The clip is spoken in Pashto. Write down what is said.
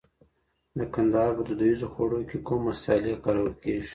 د کندهار په دودیزو خوړو کي کوم مسالې کارول کيږي؟